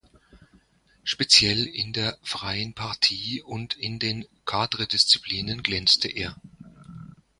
Speziell in der Freien Partie und in den Cadre Disziplinen glänzte er.